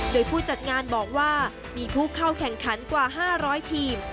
โดยผู้จัดงานบอกว่ามีผู้เข้าแข่งขันกว่า๕๐๐ทีม